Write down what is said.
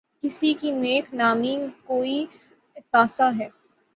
کسی کی نیک نامی کوئی اثاثہ ہے۔